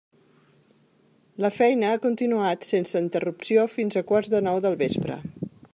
La feina ha continuat sense interrupció fins a quarts de nou del vespre.